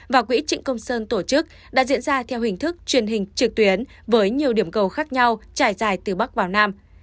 và quỹ trịnh công sơn tổ chức đã diễn ra theo hình thức truyền hình trực tuyến với nhiều điểm cầu khác nhau trải dài từ bắc vào nam